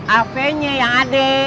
av nya yang ada